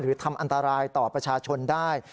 ทำอันตรายต่อประชาชนได้